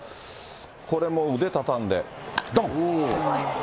これも腕畳んで、どん！